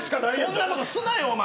そんなことすなよ、お前！